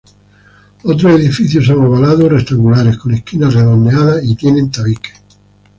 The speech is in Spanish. Otros edificios son ovalados o rectangulares con esquinas redondeadas y tienen tabiques.